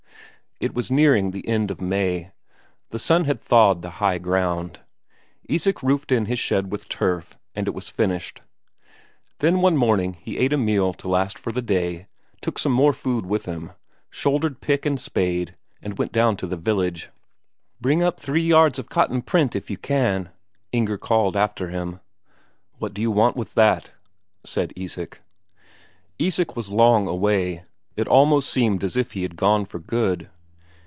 It was nearing the end of May. The sun had thawed the high ground; Isak roofed in his shed with turf and it was finished. Then one morning he ate a meal to last for the day, took some more food with him, shouldered pick and spade, and went down to the village. "Bring up three yards of cotton print, if you can," Inger called after him. "What do you want with that?" said Isak. Isak was long away; it almost seemed as if he had gone for good.